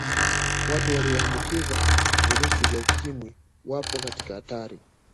watu waliyoambikizwa virusi vya ukimwi wako katika hatari